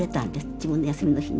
自分の休みの日にね。